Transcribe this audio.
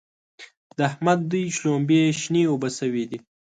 د احمد دوی شلومبې شنې اوبه شوې دي.